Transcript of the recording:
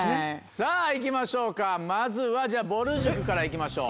さぁ行きましょうかまずはぼる塾から行きましょう。